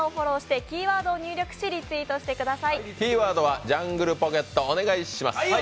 キーワードはジャングルポケット、お願いします